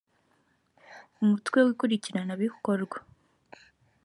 umutwe wa ikurikiranabikorwa